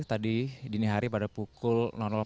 tadi dini hari pada pukul empat puluh lima